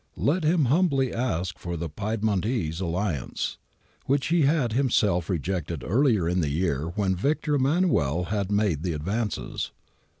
Let him humbly ask for the Piedmontese alliance, which he had himself rejected earlier in the year when Victor Emmanuel had made the advances.